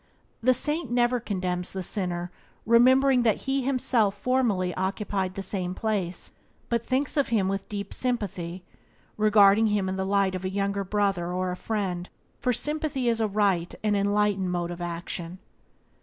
The saint never condemns the sinner, remembering that he himself formerly occupied the same place, but thinks of him with deep sympathy, regarding him in the light of a younger brother or a friend, for sympathy is a right and enlightened mode of action.